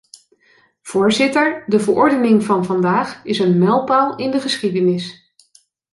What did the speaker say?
Voorzitter, de verordening van vandaag is een mijlpaal in de geschiedenis.